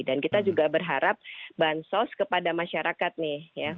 dan kita juga berharap bansos kepada masyarakat nih